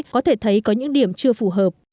có thể thấy có những điểm chưa phù hợp